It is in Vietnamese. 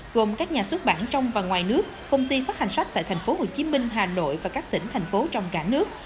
gồm các nhà xuất bản trong và ngoài nước công ty phát hành sách tại tp hcm hà nội và các tỉnh thành phố trong cả nước